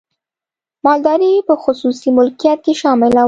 مالداري په خصوصي مالکیت کې شامله وه.